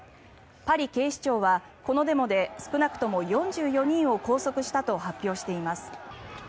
パリ警視庁はこのデモで少なくとも４４人を拘束したと発表しています。